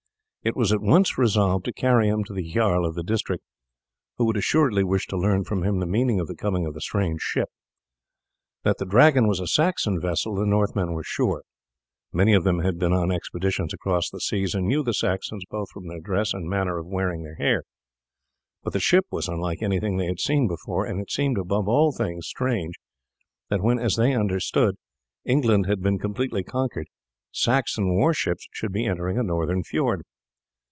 It was at once resolved to carry him to the jarl of the district, who would assuredly wish to learn from him the meaning of the coming of the strange ship. That the Dragon was a Saxon vessel the Northmen were sure. Many of them had been on expeditions across the seas, and knew the Saxons both from their dress and manner of wearing their hair, but the ship was unlike anything they had seen before, and it seemed above all things strange that when, as they understood, England had been completely conquered, Saxon warships should be entering a northern fiord.